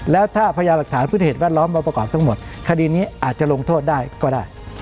แล้วถ้าพยาหลักฐานพืชเหตุแวดล้อมมาประกอบทั้งหมดคดีนี้อาจจะลงโทษได้ก็ได้